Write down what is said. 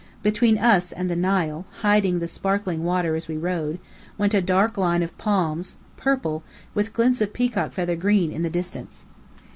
Between us and the Nile, hiding the sparkling water as we rode, went a dark line of palms, purple, with glints of peacock feather green, in the distance.